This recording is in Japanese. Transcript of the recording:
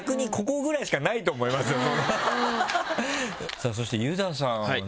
さぁそしてユダさんはね